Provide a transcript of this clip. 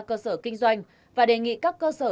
cơ sở kinh doanh và đề nghị các cơ sở